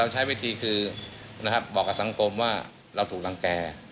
ใช้วิธีคือบอกกับสังคมว่าเราถูกรังแก่